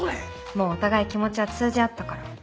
もうお互い気持ちは通じ合ったから。